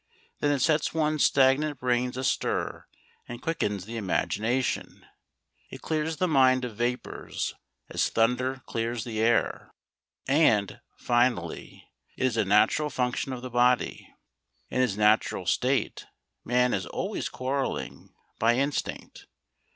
Then it sets one's stagnant brains astir and quickens the imagination; it clears the mind of vapours, as thunder clears the air. And, finally, it is a natural function of the body. In his natural state man is always quarrelling by instinct.